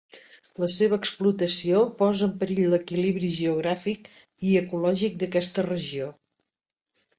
La seva explotació posa en perill l'equilibri geogràfic i ecològic d'aquesta regió.